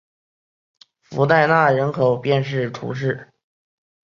弗代纳人口变化图示